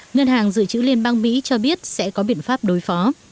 ngân hàng dự trữ liên bang mỹ cho biết sẽ có biện pháp đối phó